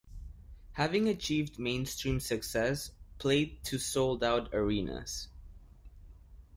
Having achieved mainstream success, played to sold-out arenas.